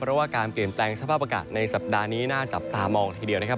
เพราะว่าการเปลี่ยนแปลงสภาพอากาศในสัปดาห์นี้น่าจับตามองทีเดียวนะครับ